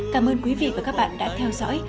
cảm ơn quý vị và các bạn đã theo dõi